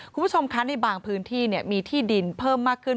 คุณผู้ชมคะในบางพื้นที่มีที่ดินเพิ่มมากขึ้น